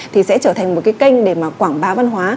thì sẽ trở thành một cái kênh để mà quảng bá văn hóa